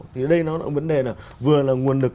thì đây nó là vấn đề là vừa là nguồn lực